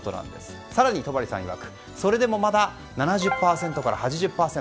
更に戸張さんいわくそれでもまだ７０％から８０％。